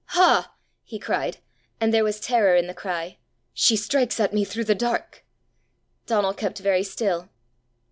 "Ha!" he cried, and there was terror in the cry, "she strikes at me through the dark!" Donal kept very still.